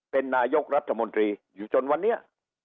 เป็นนายกรัฐมนตรีอยู่จนวันนี้